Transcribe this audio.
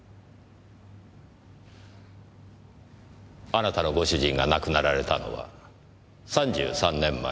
あなたのご主人が亡くなられたのは３３年前。